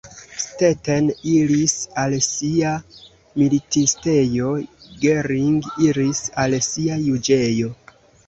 Stetten iris al sia militistejo, Gering iris al sia juĝejo.